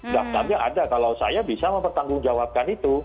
daftarnya ada kalau saya bisa mempertanggungjawabkan itu